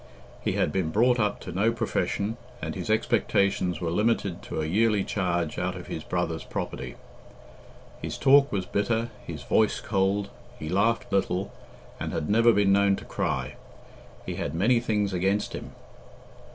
He had been brought up to no profession, and his expectations were limited to a yearly charge out of his brother's property. His talk was bitter, his voice cold, he laughed little, and had never been known to cry. He had many things against him.